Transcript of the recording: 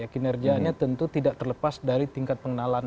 kinerjanya tentu tidak terlepas dari tingkat pengenalan